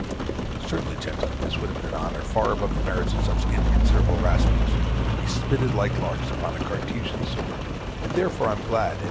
Certainly, gentlemen, this would have been an honor far above the merits of such inconsiderable rascals to be spitted like larks upon a Cartesian sword; and therefore I am glad M.